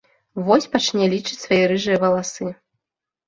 Вось пачне лічыць свае рыжыя валасы.